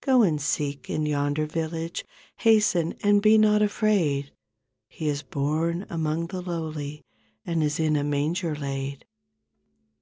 Go and seek in yonder village. Hasten and be not afraid. He is born among the lowly And is in a manger laid."